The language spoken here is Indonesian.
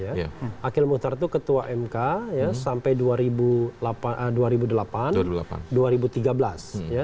akhil muhtar itu ketua mk sampai dua ribu delapan dua ribu tiga belas